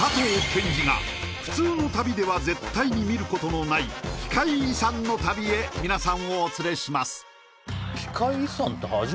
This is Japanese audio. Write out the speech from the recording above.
健寿が普通の旅では絶対に見ることのない奇界遺産の旅へ皆さんをお連れします